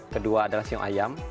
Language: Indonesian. kedua adalah sio ayam